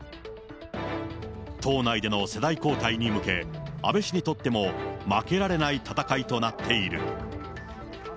党内での世代交代に向け、安倍氏にとっても負けられない戦いとなっている。